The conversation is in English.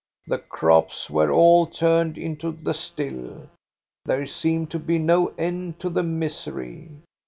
The crops were all turned into the still. There seemed to be no end to the misery.